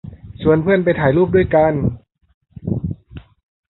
ชวนเพื่อนไปถ่ายรูปด้วยกัน